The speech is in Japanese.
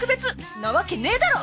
なわけねぇだろ！